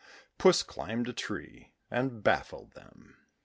Puss climbed a tree, and baffled them.